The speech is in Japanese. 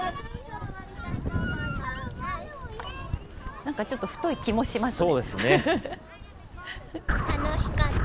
なんかちょっと太い気もしますね。